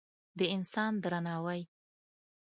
د انسان درناوی